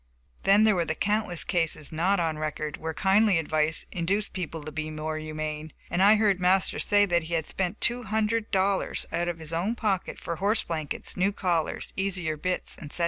Then there were countless cases, not on record, where kindly advice induced people to be more humane, and I heard Master say that he had spent two hundred dollars out of his own pocket for horse blankets, new collars, easier bits, etc.